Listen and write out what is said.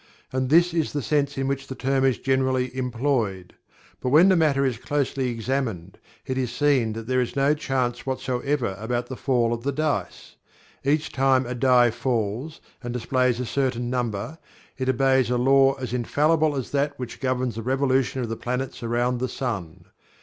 And this is the sense in which the term is generally employed. But when the matter is closely examined, it is seen that there is no chance whatsoever about the fall of the dice. Each time a die falls, and displays a certain number, it obeys a law as infallible as that which governs the revolution of the planets around the sun.